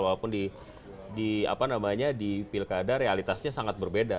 walaupun di apa namanya di pilkada realitasnya sangat berbeda